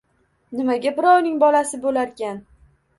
Nimaga birovning bolasi bo‘larkan!